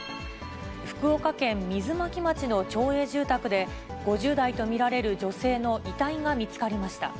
福岡県水巻町の町営住宅で、５０代と見られる女性の遺体が見つかりました。